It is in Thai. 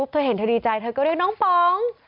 เธอเห็นเธอดีใจเธอก็เรียกน้องป๋อง